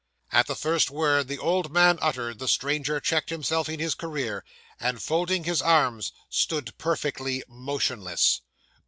'At the first word the old man uttered, the stranger checked himself in his career, and, folding his arms, stood perfectly motionless.